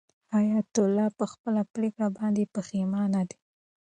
حیات الله په خپله پرېکړه باندې پښېمانه دی.